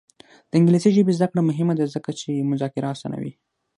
د انګلیسي ژبې زده کړه مهمه ده ځکه چې مذاکره اسانوي.